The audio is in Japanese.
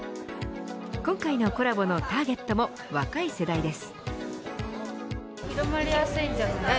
今回のコラボのターゲットも若い世代です。